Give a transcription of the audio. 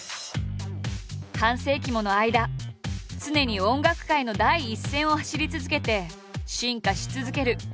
半世紀もの間常に音楽界の第一線を走り続けて進化し続ける。